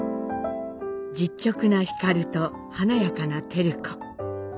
実直な皓と華やかな照子。